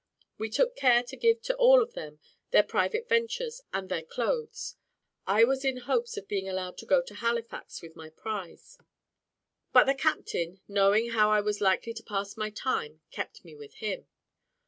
We took care to give to all of them their private ventures and their clothes. I was in hopes of being allowed to go to Halifax with my prize; but the captain, knowing how I was likely to pass my time, kept me with him.